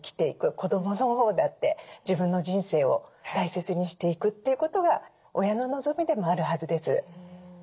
子どものほうだって自分の人生を大切にしていくっていうことが親の望みでもあるはずです。